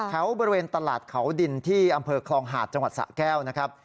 แถวบริเวณตลาดเขาดินที่อำเภอคลองหาดจังหวัดสะแก้วนะครับ